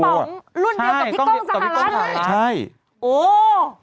พี่ป๋องรุ่นเดียวกับพี่ก้องสหรัฐเลยใช่โอ้โฮพี่ป๋องรุ่นเดียวกับพี่ก้องสหรัฐเลย